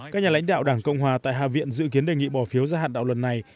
các nhà lãnh đạo đảng cộng hòa tại hạ viện dự kiến đề nghị bỏ phiếu ra hạn đạo lần này